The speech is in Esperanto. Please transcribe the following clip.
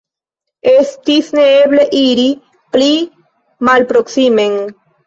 Estis neeble iri pli malproksimen.